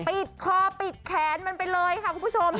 ปิดคอปิดแขนมันไปเลยค่ะคุณผู้ชม